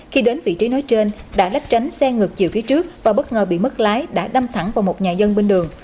khi đến vị trí nói trên đã léch tránh xe ngược chiều phía trước và bất ngờ bị mất lái đã đâm thẳng vào một nhà dân bên đường